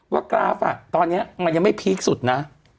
กราฟตอนนี้มันยังไม่พีคสุดนะ